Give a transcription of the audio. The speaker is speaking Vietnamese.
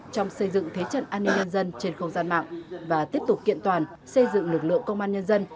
trong xây dựng thế trận an ninh nhân dân trên không gian mạng và tiếp tục kiện toàn xây dựng lực lượng công an nhân dân